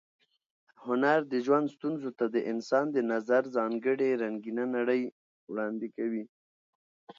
هنر د ژوند ستونزو ته د انسان د نظر ځانګړې رنګینه نړۍ وړاندې کوي.